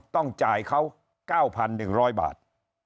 ต้องจ่ายเขา๙๑๐๐บาท